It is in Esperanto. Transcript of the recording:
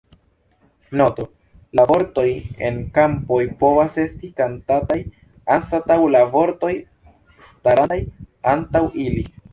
Noto: La vortoj en krampoj povas esti kantataj anstataŭ la vortoj starantaj antaŭ ili.